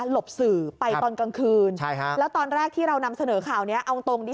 บสื่อไปตอนกลางคืนใช่ฮะแล้วตอนแรกที่เรานำเสนอข่าวนี้เอาตรงดิ